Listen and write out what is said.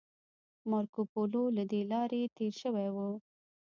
مارکوپولو له دې لارې تیر شوی و